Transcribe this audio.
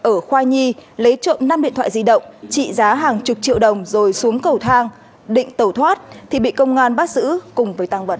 ở khoa nhi lấy trộm năm điện thoại di động trị giá hàng chục triệu đồng rồi xuống cầu thang định tẩu thoát thì bị công an bắt giữ cùng với tăng vật